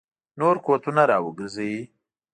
نور قوتونه را وګرځوي.